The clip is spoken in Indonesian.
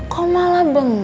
kok malah bengong sih